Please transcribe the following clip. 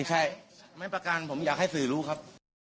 ไหมสมมุติประกันผมอยากให้คุณซื้อรู้ครับ